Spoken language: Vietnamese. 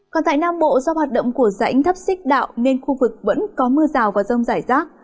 còn tại nam bộ do hoạt động của rãnh thấp xích đạo nên khu vực vẫn có mưa rào và rông rải rác